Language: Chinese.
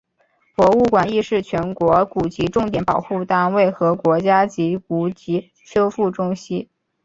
博物馆亦是全国古籍重点保护单位和国家级古籍修复中心。